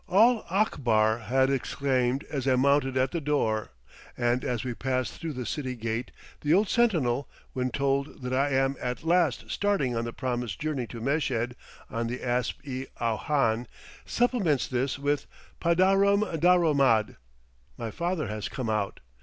All Akbar had exclaimed as I mounted at the door, and as we pass through the city gate the old sentinel, when told that I am at last starting on the promised journey to Meshed on the asp i awhan, supplements this with "Padaram daromad!" (My father has come out!)